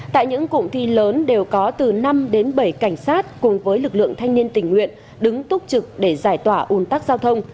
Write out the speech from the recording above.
tại những cụm thi lớn đều có từ năm đến bảy cảnh sát cùng với lực lượng thanh niên tình nguyện đứng túc trực để giải tỏa ủn tắc giao thông